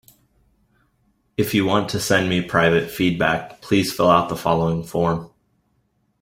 If you want to send me private feedback, please fill out the following form.